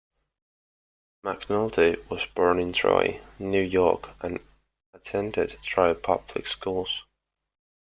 McNulty was born in Troy, New York and attended Troy public schools.